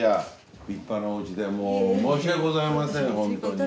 立派なおうちで申し訳ございませんホントに。